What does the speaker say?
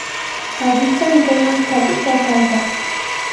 Habita en zonas calizas altas.